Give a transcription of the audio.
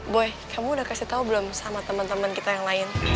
boy kamu udah kasih tau belum sama teman teman kita yang lain